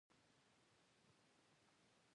خوړل د سباناري وخت خوږوي